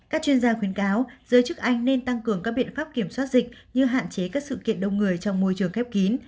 các chuyên gia khuyến cáo giới chức anh nên tăng cường các biện pháp kiểm soát dịch như hạn chế các sự kiện đông người trong môi trường khép kín